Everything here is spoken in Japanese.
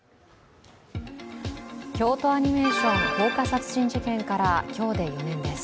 京都アニメーション放火殺人事件から今日で４年です。